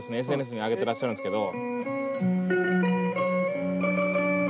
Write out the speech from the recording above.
ＳＮＳに上げてらっしゃるんですけど。